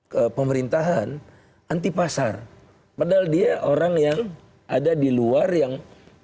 ke pemerintahan anti pasar padahal dia orang yang ada di luar yang